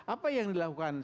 apa yang dilakukan